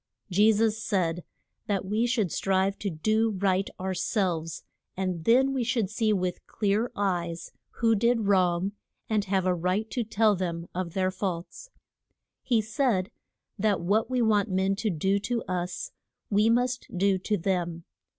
Je sus said that we should strive to do right our selves, and then we should see with clear eyes who did wrong, and have a right to tell them of their faults. He said, that what we want men to do to us we must do to them.